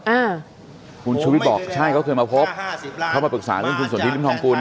อ่าคุณชุวิตบอกใช่เขาเคยมาพบเขามาปรึกษาเรื่องคุณสนทิริมทองกุล